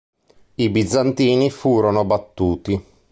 I bizantini furono battuti.